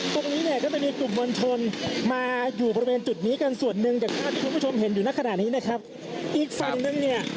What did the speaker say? ตรงนี้เนี่ยก็จะมีกลุ่มมวลชนมาอยู่บริเวณจุดนี้กันส่วนหนึ่งอย่างภาพที่คุณผู้ชมเห็นอยู่ในขณะนี้นะครับอีกฝั่งนึงเนี่ย